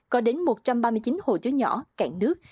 có đến một trăm ba mươi chín hồ chứa nhỏ cạn nước